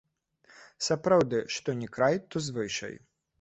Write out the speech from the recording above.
Сапраўды, што ні край, то звычай.